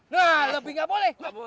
nah lebih gak boleh